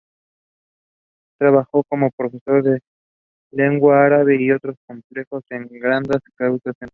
Trabajó como profesor de lengua árabe y en otros empleos en Granada y Ceuta.